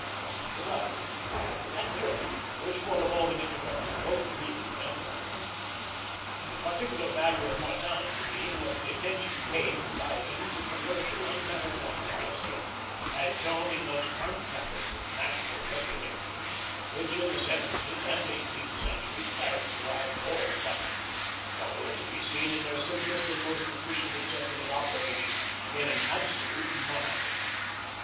Besides, I had to lecture, which for the moment interrupted both reading and writing. The particular value of Martin to me was the attention paid by him to commercial and maritime policy, as shown in those frank methods of national regulation which in the seventeenth and eighteenth centuries characterized all governments, but were to be seen in their simplest and most efficient executive operation in an absolute monarchy.